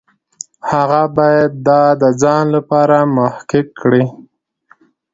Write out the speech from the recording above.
هغه باید دا د ځان لپاره محقق کړي.